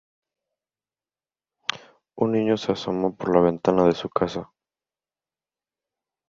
Un niño se asomó por la ventana de su casa.